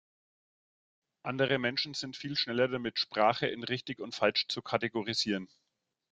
Andere Menschen sind viel schneller damit, Sprache in richtig und falsch zu kategorisieren.